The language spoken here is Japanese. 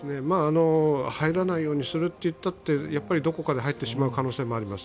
入らないようにするといったって、どこかで入ってしまう可能性もあります。